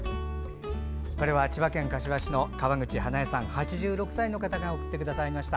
千葉県柏市の川口花枝さん８６歳の方が送ってくださいました。